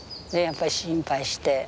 でやっぱり心配して。